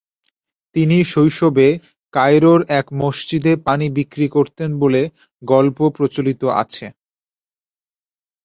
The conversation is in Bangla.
তিনি শৈশবে কায়রোর এক মসজিদে পানি বিক্রি করতেন বলে গল্প প্রচলিত আছে।